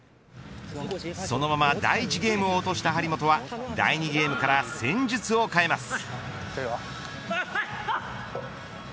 そのまま第１ゲームを落とした張本は第２ゲームから戦術を変えます。